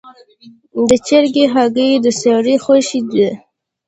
د چرګې هګۍ د سړي خوښه ده.